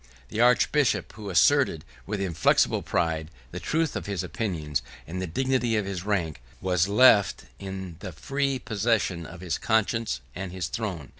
The archbishop, who asserted, with inflexible pride, 72 the truth of his opinions, and the dignity of his rank, was left in the free possession of his conscience and his throne.